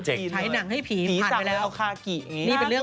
ใช้หนังก็เอาใช้หนัง